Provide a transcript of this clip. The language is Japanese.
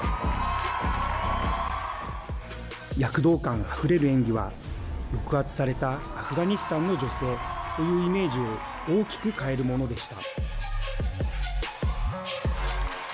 躍動感あふれる演技は抑圧されたアフガニスタンの女性というイメージを大きく変えるものでした。